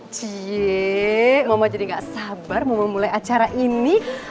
ciy mama jadi gak sabar mau memulai acara ini